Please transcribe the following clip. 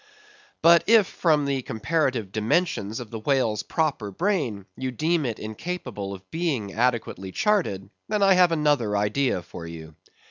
But if from the comparative dimensions of the whale's proper brain, you deem it incapable of being adequately charted, then I have another idea for you.